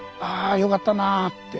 よかったなって。